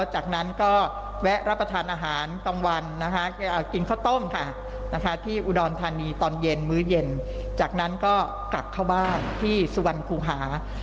หลังจากติดโค๑๙นะฮะ